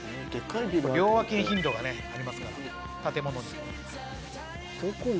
両脇にヒントがありますから建物に。